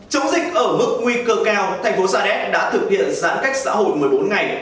chống dịch ở mức nguy cơ cao thành phố sa đéc đã thực hiện giãn cách xã hội một mươi bốn ngày